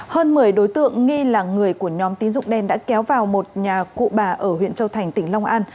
hơn một mươi đối tượng nghi là người của nhóm tín dụng đen đã kéo vào một nhà cụ bà ở huyện châu thành tỉnh long an